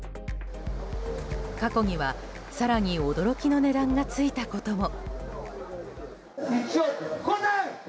過去には、更に驚きの値段が付いたことも。